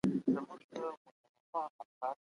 ټولنيز علوم د طبيعي علومو په پرتله توپير لري.